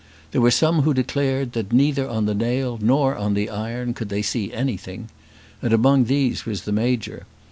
There were some who declared that neither on the nail nor on the iron could they see anything. And among these was the Major.